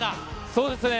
そうですね。